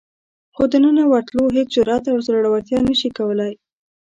خو دننه ورتلو هېڅ جرئت او زړورتیا نشي کولای.